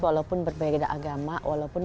walaupun berbeda agama walaupun